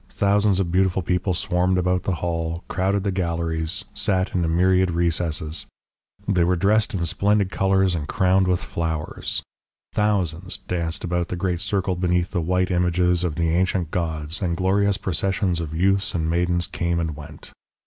Thousands of beautiful people swarmed about the hall, crowded the galleries, sat in a myriad recesses; they were dressed in splendid colours and crowned with flowers; thousands danced about the great circle beneath the white images of the ancient gods, and glorious processions of youths and maidens came and went.